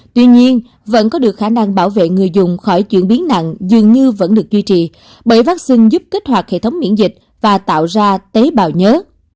tuy nhiên vẫn có được khả năng bảo vệ người dùng khỏi chuyển biến nặng dường như vẫn được duy trì bởi vaccine giúp kích hoạt hệ thống miễn dịch và tạo ra tế bào nhớ